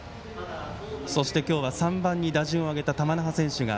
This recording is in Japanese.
そして、今日は３番に打順を上げた玉那覇選手が。